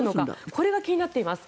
これが気になっています。